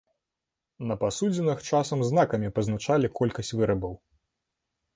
На пасудзінах часам знакамі пазначалі колькасць вырабаў.